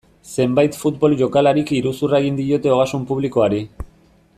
Zenbait futbol jokalarik iruzurra egin diote ogasun publikoari.